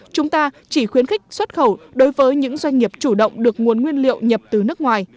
chúng ta chỉ khuyến khích xuất khẩu đối với những doanh nghiệp chủ động được nguồn nguyên liệu nhập từ nước ngoài